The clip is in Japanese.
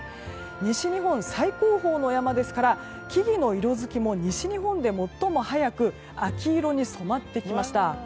西日本最高峰の山ですから木々の色づきも西日本で最も早く秋色に染まってきました。